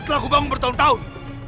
telah kubang bertahun tahun